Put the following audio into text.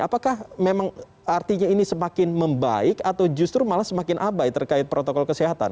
apakah memang artinya ini semakin membaik atau justru malah semakin abai terkait protokol kesehatan